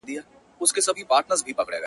o باران راوړی قاسم یاره د سپرلي او ګلاب زېری,